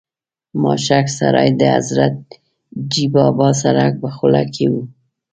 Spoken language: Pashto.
ماشک سرای د حضرتجي بابا سرک په خوله کې و.